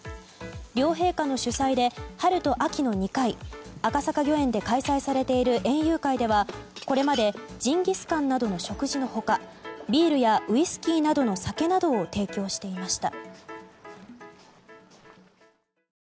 両陛下の主催で春と秋の２回赤坂御苑で開催されている園遊会ではこれまでジンギスカンなどの食事の他ビールやウイスキーなどの酒などを提供していました。